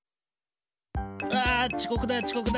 うわちこくだちこくだ！